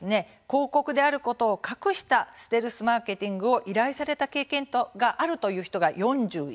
広告であることを隠したステルスマーケティングを依頼された経験があるという人が４１％。